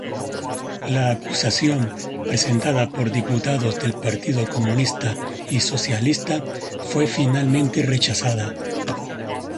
La acusación, presentada por diputados del Partido Comunista y Socialista, fue finalmente rechazada.